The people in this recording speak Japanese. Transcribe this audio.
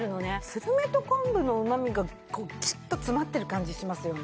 スルメと昆布のうまみがこうギュッと詰まってる感じしますよね。